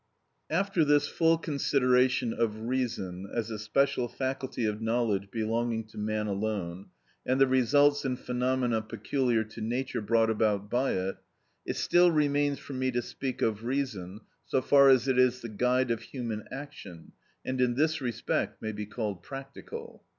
After this full consideration of reason as a special faculty of knowledge belonging to man alone, and the results and phenomena peculiar to human nature brought about by it, it still remains for me to speak of reason, so far as it is the guide of human action, and in this respect may be called practical.